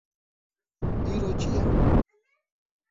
Îro çi ye?